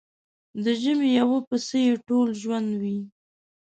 د ژمي يو پسه يې ټول ژوند وي.